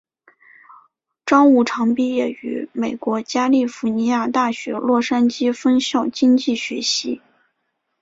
张五常毕业于美国加利福尼亚大学洛杉矶分校经济学系。